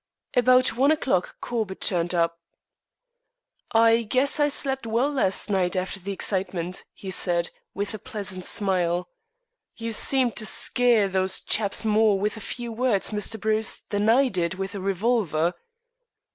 About one o'clock Corbett turned up. "Guess I slept well last night after the excitement," he said, with a pleasant smile. "You seemed to skeer those chaps more with a few words, Mr. Bruce, than I did with a revolver."